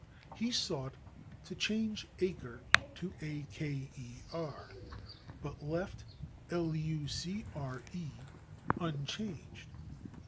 He sought to change /acre/ to /aker/, but left /lucre/ unchanged.